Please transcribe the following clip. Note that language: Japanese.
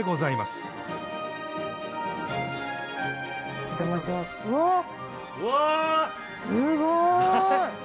すごい！